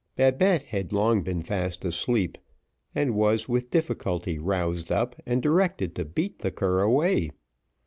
Babette had long been fast asleep, and was with difficulty roused up and directed to beat the cur away.